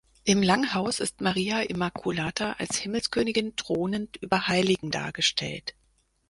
Im Langhaus ist Maria Immaculata als Himmelskönigin thronend über Heiligen dargestellt.